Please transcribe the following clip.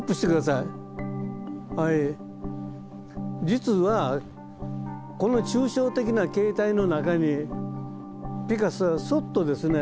実はこの抽象的な形態の中にピカソはそっとですね